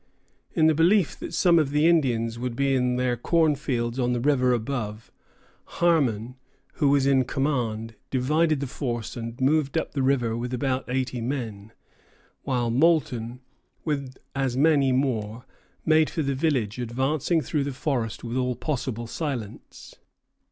In the belief that some of the Indians would be in their cornfields on the river above, Harmon, who was in command, divided the force, and moved up the river with about eighty men, while Moulton, with as many more, made for the village, advancing through the forest with all possible silence.